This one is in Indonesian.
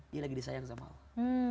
dia lagi disayang sama allah